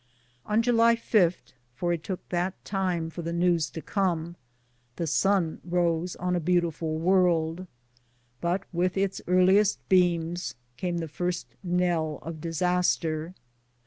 On the 5th of July — for it took that time for the news to come — the sun rose on a beautiful world, but with its earliest beams came the first knell of disaster.